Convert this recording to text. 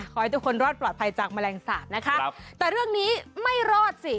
ขอให้ทุกคนรอดปลอดภัยจากแมลงสาปนะคะครับแต่เรื่องนี้ไม่รอดสิ